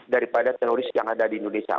daripada teroris yang ada di indonesia